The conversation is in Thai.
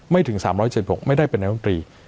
ไม่ถึง๓๗๖ไม่ได้เป็นแนวตรี